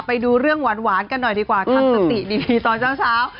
ไปดูเรื่องหวานกันหน่อยดีกว่าทำสติดีตอนเช้า